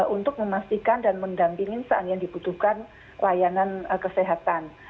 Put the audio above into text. untuk memastikan dan mendampingi saat yang dibutuhkan layanan kesehatan